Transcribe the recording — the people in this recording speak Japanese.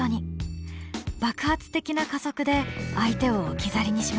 爆発的な加速で相手を置き去りにしました。